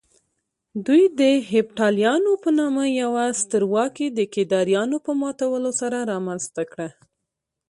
دوی د هېپتاليانو په نامه يوه سترواکي د کيداريانو په ماتولو سره رامنځته کړه